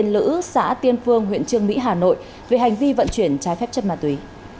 lữ xã tiên phương huyện trương mỹ hà nội về hành vi vận chuyển trái phép chất ma túy